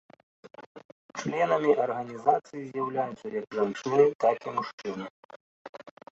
Членамі арганізацыі з'яўляюцца як жанчыны, так і мужчыны.